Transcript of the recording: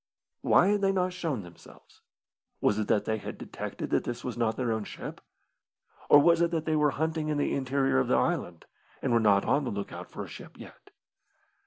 Why had they not shown themselves? Was it that they had detected that this was not their own ship? Or was it that they were hunting in the interior of the island, and were not on the look out for a ship yet?